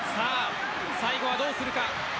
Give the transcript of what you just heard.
最後はどうするか。